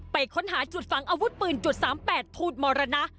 ไปค้นหาจุดฝังอาวุธปืนจุด๓๘ทูตมรณะ